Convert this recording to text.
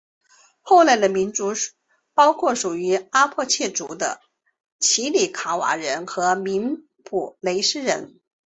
后来的民族包括属于阿帕契族的奇里卡瓦人和明布雷斯人。